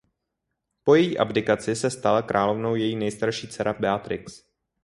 Po její abdikaci se stala královnou její nejstarší dcera Beatrix.